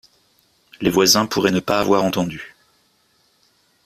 Les voisins pourraient ne pas avoir entendu.